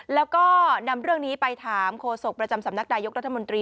แล้วก็นำเรื่องนี้ไปถามโฆษกประจำสำนักนายกรัฐมนตรี